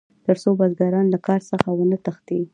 تر څو بزګران له کار څخه ونه تښتي.